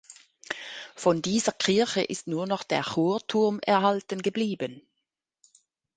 Von dieser Kirche ist nur noch der Chorturm erhalten geblieben.